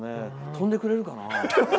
飛んでくれるかな？